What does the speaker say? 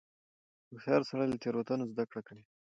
هوښیار سړی له تېروتنو زده کړه کوي.